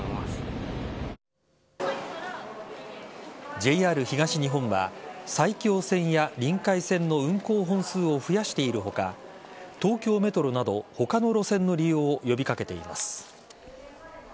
ＪＲ東日本は埼京線やりんかい線の運行本数を増やしている他東京メトロなど他の路線の利用を呼び掛けています。